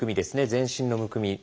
全身のむくみ。